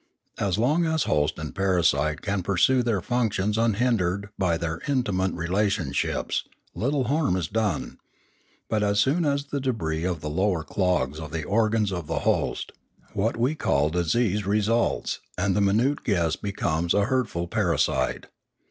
As long as host and parasite can pursue their functions unhindered by their intimate relationships, little harm is done; but as soon as the debris of the lower clogs the organs of the host, what we call disease results and the minute guest becomes a hurtful para site.